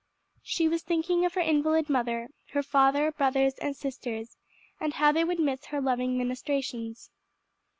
She was thinking of her invalid mother, her father, brothers and sisters, and how they would miss her loving ministrations.